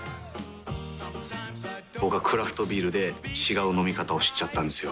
僕はクラフトビールで違う飲み方を知っちゃったんですよ。